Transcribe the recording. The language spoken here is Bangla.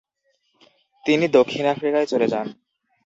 তিনি দক্ষিণ আফ্রিকায় চলে যান।